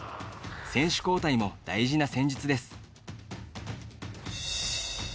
選手交代も大事な戦術です。